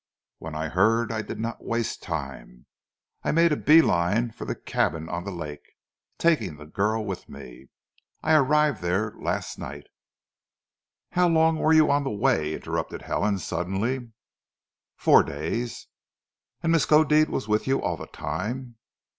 "When I heard, I did not waste time. I made a bee line for the cabin on the lake, taking the girl with me. I arrived there last night " "How long were you on the way?" interrupted Helen suddenly. "Four days." "And Miskodeed was with you all the time?"